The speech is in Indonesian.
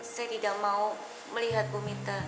saya tidak mau melihat bumita